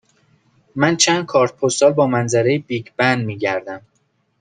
من چند کارت پستال با منظره بیگ بن می گردم.